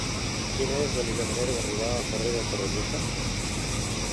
Quina és la millor manera d'arribar al carrer de Torrevieja?